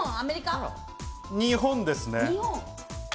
日本ですね。